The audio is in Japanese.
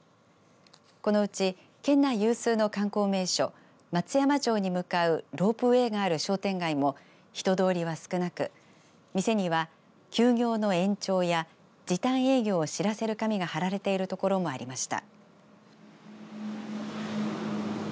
このうち県内有数の観光名所松山城に向かうロープウエーがある商店街も人通りは少なく店には休業の延長や時短営業を知らせる紙が貼られている所もありました。